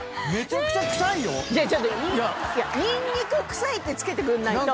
ちょっとニンニク臭いって付けてくんないと。